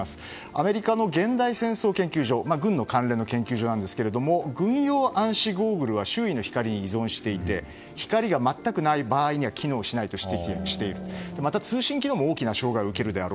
アメリカの現代戦争研究所軍関連の研究所ですが軍用暗視ゴーグルは、周囲の光に依存していて光が全くない場合は機能しないと指摘していて通信機能も大きな障害を受けると。